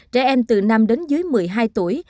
trẻ em từ năm đến dưới một mươi hai tuổi